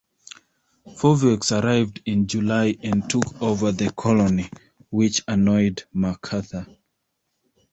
Foveaux arrived in July and took over the colony, which annoyed Macarthur.